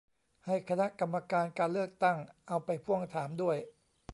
ให้คณะกรรมการการเลือกตั้ง เอาไปพ่วงถามด้วย